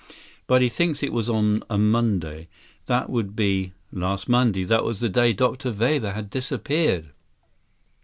But he thinks it was on a Monday. That would be—" Last Monday! That was the day Dr. Weber had disappeared!